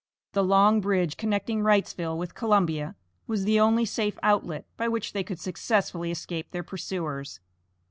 The long bridge connecting Wrightsville with Columbia, was the only safe outlet by which they could successfully escape their pursuers.